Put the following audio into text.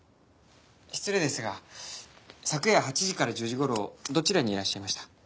失礼ですが昨夜８時から１０時頃どちらにいらっしゃいました？